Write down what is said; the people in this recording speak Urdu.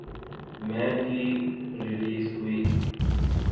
میں بھی ریلیز ہوئی